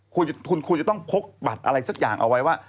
คุณควรจะต้องพกบัตรอะไรสักอย่างเอาไว้ว่า